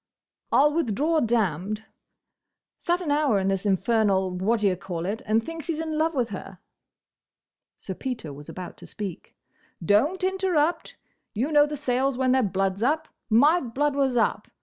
"I'll withdraw 'damned.' Sat an hour in this infernal what d' ye call it, and thinks he 's in love with her." Sir Peter was about to speak. "Don't interrupt!—You know the Sayles when their blood 's up. My blood was up.